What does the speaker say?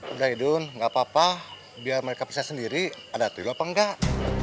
udah idun nggak papa biar mereka persen sendiri ada tulang enggak